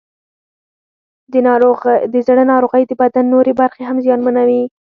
د زړه ناروغۍ د بدن نورې برخې هم زیانمنوي.